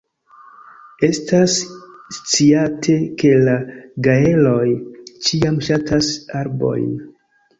Estas sciate, ke la gaeloj ĉiam ŝatas arbojn.